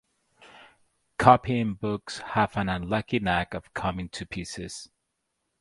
Copying-books have an unlucky knack of coming to pieces.